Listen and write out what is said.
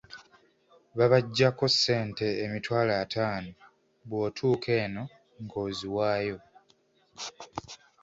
Babaggyako ssente emitwalo ataano, bw’otuuka eno ng’oziwaayo.